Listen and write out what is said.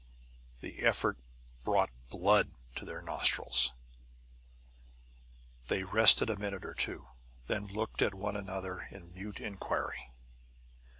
The effort brought blood to her nostrils. They rested a minute or two, then looked at one another in mute inquiry.